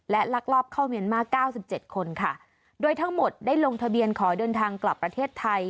และลักลอบเข้าเมียนมาร์เก้าสิบเจ็ดคนค่ะโดยทั้งหมดได้ลงทะเบียนขอเดินทางกลับประเทศไทย